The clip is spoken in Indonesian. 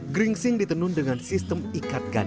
geringsing ditenun dengan sistem ikatan